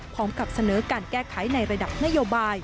พร้อมกับเสนอการแก้ไขในระดับนโยบาย